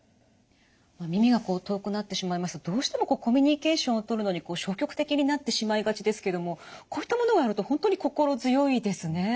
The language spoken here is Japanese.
耳が遠くなってしまいますとどうしてもコミュニケーションをとるのに消極的になってしまいがちですけどもこういったものがあると本当に心強いですね。